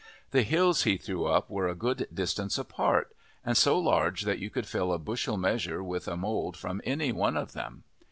The hills he threw up were a good distance apart, and so large that you could fill a bushel measure with the mould from any one of them.